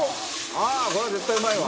「あっこれは絶対うまいわ」